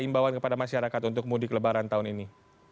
imbauan kepada masyarakat untuk mudik lebaran tahun ini